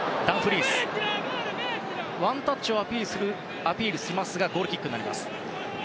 ワンタッチをアピールしますがゴールキックになります。